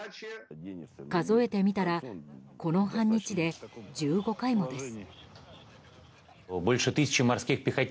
数えてみたらこの半日で１５回もです。